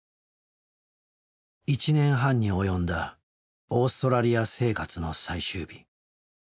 １年半に及んだオーストラリア生活の最終日。